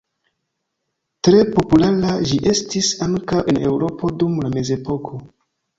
Tre populara ĝi estis ankaŭ en Eŭropo dum la mezepoko.